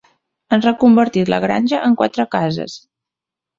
Han reconvertit la granja en quatre cases.